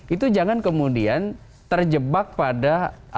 itu jangan kemudian terjebak pada